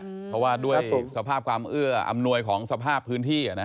เพราะว่าด้วยสภาพความเอื้ออำนวยของสภาพพื้นที่